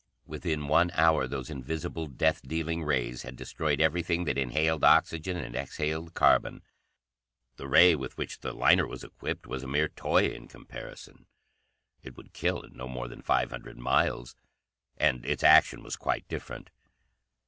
Within one hour, those invisible, death dealing rays had destroyed everything that inhaled oxygen and exhaled carbon. The ray with which the liner was equipped was a mere toy in comparison. It would kill at no more than 500 miles, and its action was quite different.